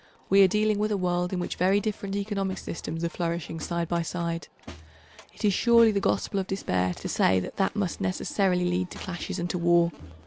We are dealing with a world in which very different economic systems are flourishing side by side. It surely is the gospel of despair to say that that must necessarily lead to clashes and to war.